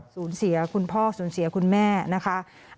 สูญเสียคุณพ่อสูญเสียคุณแม่นะคะ